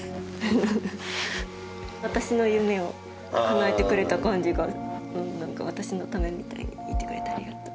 私の夢をかなえてくれた感じが私のためみたいに言ってくれてありがとう。